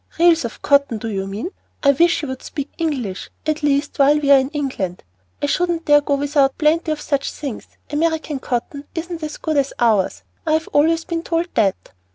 "Reels of cotton, do you mean? I wish you would speak English, at least while we are in England. I shouldn't dare go without plenty of such things. American cotton isn't as good as ours; I've always been told that."